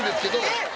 えっ！？